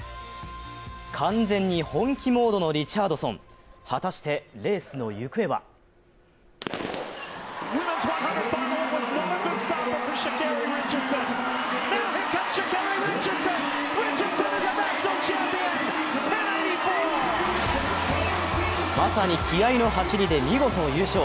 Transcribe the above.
完全に本気モードのリチャードソン、果たしてレースの行方はまさに気合いの走りで見事優勝。